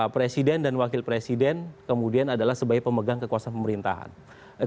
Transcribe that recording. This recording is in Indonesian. presiden dan wakil presiden kemudian adalah sebagai pemegang kekuasaan pemerintahan